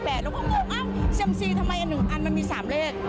แล้วก็เซียมสีทำไมอันมันมี๓เลข